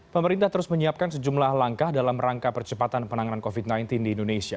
pemerintah terus menyiapkan sejumlah langkah dalam rangka percepatan penanganan covid sembilan belas di indonesia